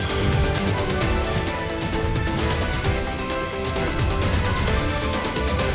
dan j conceptualisasi antara ini penelitian negatif dengan social media dan bukti vicia no utah ofili dan blockchain dengan media pihak lain